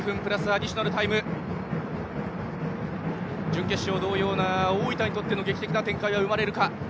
準決勝同様な、大分にとっての劇的な展開は生まれるか。